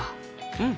うん！